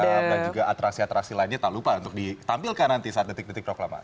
dan juga atrasi atrasi lainnya tak lupa untuk ditampilkan nanti saat detik detik proklamasi